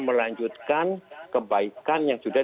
melanjutkan kebaikan yang sudah